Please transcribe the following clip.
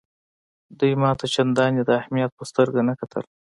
دوی ما ته چنداني د اهمیت په سترګه نه کتل.